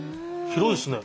広いですね。